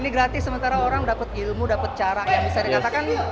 ini gratis sementara orang dapat ilmu dapat cara yang bisa dikatakan